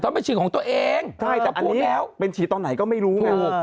ต้องเป็นฉี่ของตัวเองแต่อันนี้เป็นฉี่ตอนไหนก็ไม่รู้